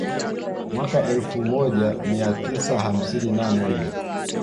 Mwaka elfu mija mia tisa hamsini na moja